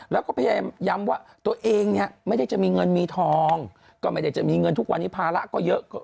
แล้วก็พยายามย้ำว่าตัวเองเนี่ยไม่ได้จะมีเงินมีทองก็ไม่ได้จะมีเงินทุกวันนี้ภาระก็เยอะ